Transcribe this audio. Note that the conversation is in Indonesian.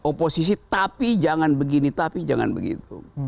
oposisi tapi jangan begini tapi jangan begitu